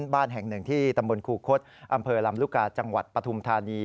บ้านแห่งหนึ่งที่ตำบลคูคศอำเภอลำลูกกาจังหวัดปฐุมธานี